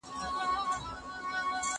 زه پرون د سبا لپاره د نوي لغتونو يادوم..